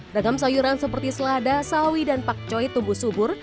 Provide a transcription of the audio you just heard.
ragam sayuran seperti selada sawi dan pakcoy tumbuh subur